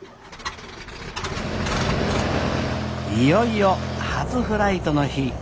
いよいよ初フライトの日。